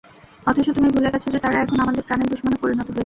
অথচ তুমি ভুলে গেছ যে, তারা এখন আমাদের প্রাণের দুশমনে পরিণত হয়েছে।